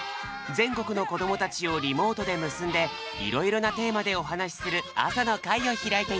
ぜんこくのこどもたちをリモートでむすんでいろいろなテーマでおはなしするあさのかいをひらいています